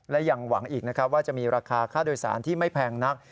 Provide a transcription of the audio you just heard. และยังหวังอีกนะครับว่าจะมีราคาค่าโดยสารที่ไม่แพงนัก